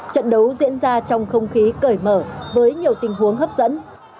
trận đấu diễn ra trong không khí cởi mở với nhiều tình huống hấp dẫn